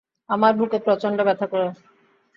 আমার বুকে প্রচন্ড ব্যথা করে।